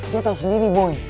dia tau sendiri boy